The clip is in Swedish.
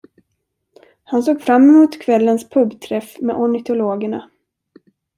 Han såg fram emot kvällens pub-träff med ornitologerna.